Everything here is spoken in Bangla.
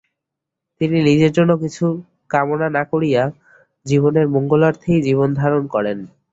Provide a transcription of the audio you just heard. তিনি নিজের জন্য কিছু কামনা না করিয়া জীবের মঙ্গলার্থেই জীবনধারণ করেন।